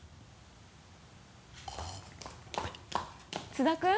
津田君？